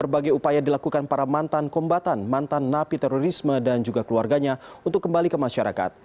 berbagai upaya dilakukan para mantan kombatan mantan napi terorisme dan juga keluarganya untuk kembali ke masyarakat